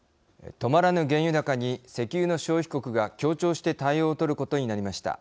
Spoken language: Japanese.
止まらぬ原油高に石油の消費国が協調して対応をとることになりました。